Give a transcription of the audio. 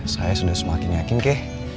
saya sudah semakin yakin kek